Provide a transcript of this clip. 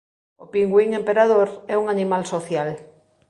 O pingüín emperador é un animal social.